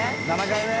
７回目？